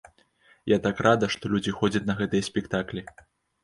Я так рада, што людзі ходзяць на гэтыя спектаклі!